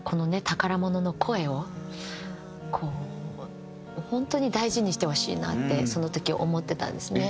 宝物の声をこう本当に大事にしてほしいなってその時思ってたんですね。